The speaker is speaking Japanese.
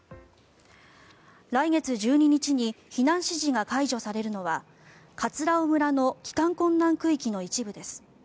来月１２日に避難指示が解除されるのは葛尾村の帰還困難区域の一部です。